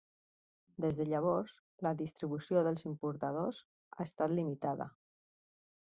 Des de llavors, la distribució dels importadors ha estat limitada.